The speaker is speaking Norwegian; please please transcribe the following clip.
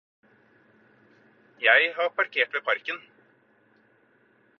Jeg har parkert ved parken.